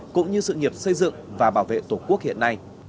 cũng như sự nghiệp xây dựng và bảo vệ tổ quốc hiện nay